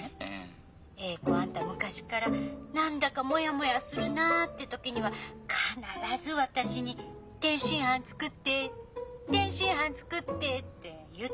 詠子あんた昔っから何だかモヤモヤするなって時には必ず私に「天津飯作って天津飯作って！」って言ってたじゃない？